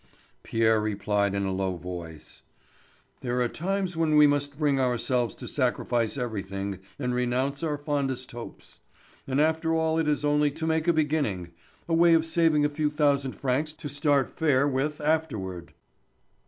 Pierre replied in a low voice: "There are times when we must bring ourselves to sacrifice everything and renounce our fondest hopes. And after all it is only to make a beginning, a way of saving a few thousand francs to start fair with afterward."